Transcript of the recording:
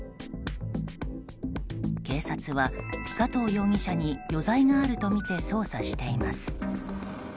警察は加藤容疑者に余罪があるとみて捜査しています。